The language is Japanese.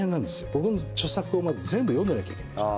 僕の著作をまず全部読んでなきゃいけないでしょ。